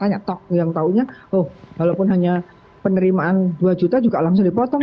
banyak tok yang tahunya oh walaupun hanya penerimaan dua juta juga langsung dipotong